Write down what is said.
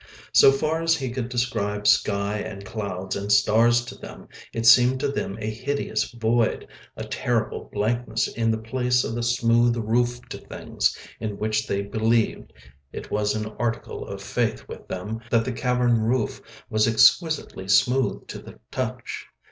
So far as he could describe sky and clouds and stars to them it seemed to them a hideous void, a terrible blankness in the place of the smooth roof to things in which they believed—it was an article of faith with them that the cavern roof was exquisitely smooth to the touch.